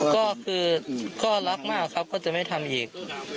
ก็คือก็รักมากครับก็จะไม่ทำอีก